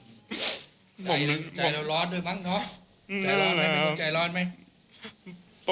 ใจร้อนร้อนด้วยมั้งเนาะ